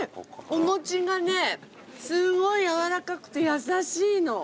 お餅がねすごい軟らかくて優しいの。